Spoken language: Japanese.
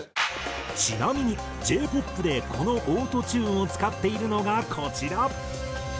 ちなみにＪ−ＰＯＰでこのオートチューンを使っているのがこちら。